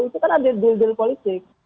itu kan ada deal deal politik